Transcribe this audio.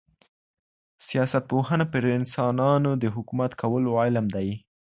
سياستپوهنه پر انسانانو د حکومت کولو علم دی.